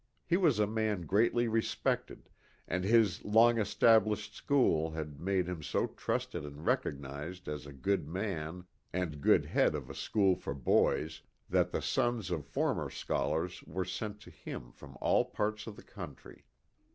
He was a man greatly respected, and his long established school had made him so trusted and recognized as a good man and good head of a school for boys that the sons of former scholars were sent to him from all parts of the country.